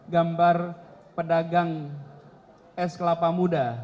gambar pedagang es kelapa muda